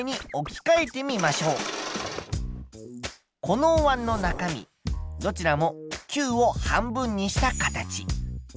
このおわんの中身どちらも球を半分にした形。